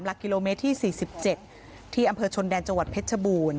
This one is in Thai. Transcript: หลักกิโลเมตรที่๔๗ที่อำเภอชนแดนจังหวัดเพชรชบูรณ์